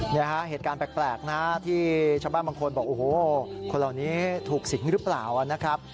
เนี่ยฮะเหตุการณ์แปลกนะที่ชาวบ้านบางคนบอกโอ้โหคนเหล่านี้ถูกสิงหรือเปล่านะครับ